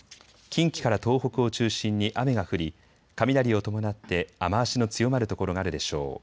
近畿から東北を中心に雨が降り雷を伴って雨足の強まる所があるでしょう。